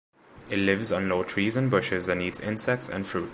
It lives on low trees and bushes and eats insects and fruit.